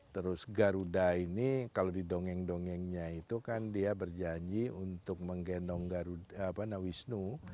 terus garuda ini kalau didongeng dongengnya itu kan dia berjanji untuk menggendong wisnu